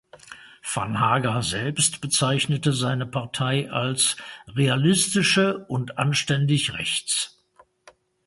Van Haga selbst bezeichnete seine Partei als „realistische und anständig rechts“.